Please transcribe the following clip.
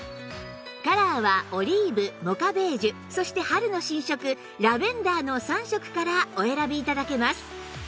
カラーはオリーブモカベージュそして春の新色ラベンダーの３色からお選び頂けます